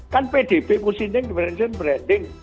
kan pbb musimnya yang differentiation branding